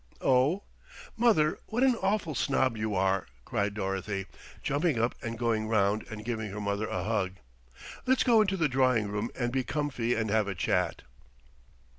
"Oh! mother, what an awful snob you are," cried Dorothy, jumping up and going round and giving her mother a hug. "Let's go into the drawing room and be comfy and have a chat."